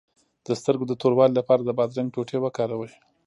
د سترګو د توروالي لپاره د بادرنګ ټوټې وکاروئ